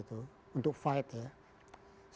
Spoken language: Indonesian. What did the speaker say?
untuk berjuang ya